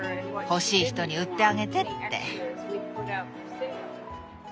「欲しい人に売ってあげて」って。